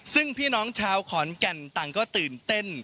ซึ่งพี่น้องชาวขอนแก่นต่างก็ตื่นเต้น